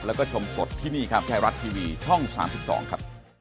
แล้วก็ชมสดที่นี่ครับไทยรัฐทีวีช่อง๓๒ครับ